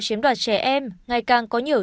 chiếm đoạt trẻ em ngày càng có nhiều